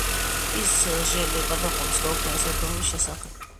იმ სჯელე ბატონყომობის გაუქმების რეფორმების სესახებ